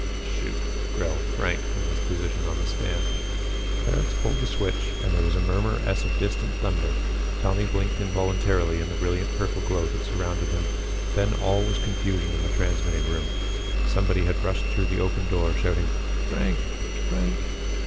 "Shoot!" growled Frank from his position on the stand. Clarux pulled the switch and there was a murmur as of distant thunder. Tommy blinked involuntarily in the brilliant purple glow that surrounded him. Then all was confusion in the transmitting room. Somebody had rushed through the open door shouting, "Frank! Frank!"